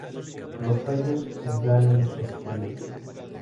Los tallos se emplean en cestería.